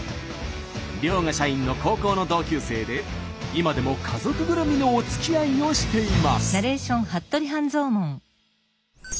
遼河社員の高校の同級生で今でも家族ぐるみのおつきあいをしています。